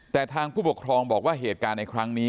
แต่ทางผู้ปกครองบอกว่าเหตุการณ์ในครั้งนี้